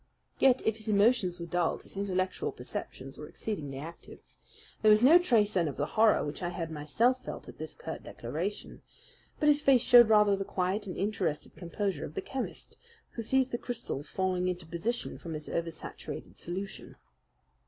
Yet, if his emotions were dulled, his intellectual perceptions were exceedingly active. There was no trace then of the horror which I had myself felt at this curt declaration; but his face showed rather the quiet and interested composure of the chemist who sees the crystals falling into position from his oversaturated solution.